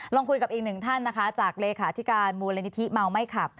ลองคุยกับอีกหนึ่งท่านนะคะจากเลขาธิการมูลนิธิเมาไม่ขับ